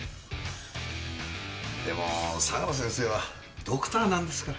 でも相良先生はドクターなんですから。